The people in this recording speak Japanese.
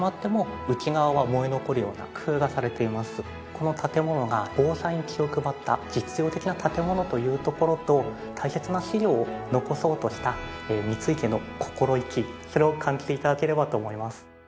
この建物が防災に気を配った実用的な建物というところと大切な資料を残そうとした三井家の心意気それを感じて頂ければと思います。